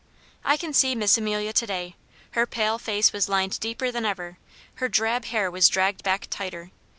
I can see Miss Amelia to day. Her pale face was lined deeper than ever, her drab hair was dragged back tighter.